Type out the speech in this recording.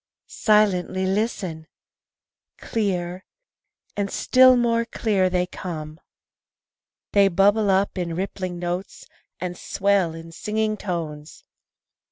Silently listen! Clear, and still more clear, they come. They bubble up in rippling notes, and swell in singing tones.